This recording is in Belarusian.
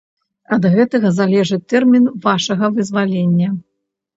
Ад гэтага залежыць тэрмін вашага вызвалення.